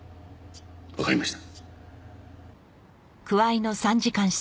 わかりました。